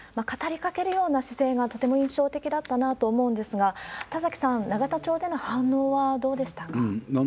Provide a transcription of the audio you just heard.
語りかけるような姿勢がとても印象的だったなと思うんですが、田崎さん、永田町での反応はどうでしたか？